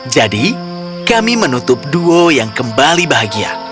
jadi kami menutup duo yang kembali bahagia